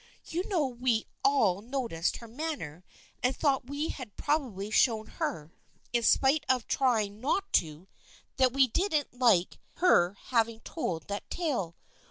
You know we all noticed her manner and thought we had probably shown her, in spite of trying not to, that we didn't like her having told that tale.